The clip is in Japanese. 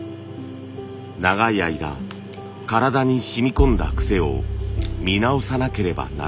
長い間体にしみ込んだ癖を見直さなければならない。